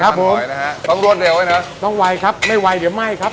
ครับผมนะฮะต้องรวดเร็วด้วยนะต้องไวครับไม่ไวเดี๋ยวไหม้ครับ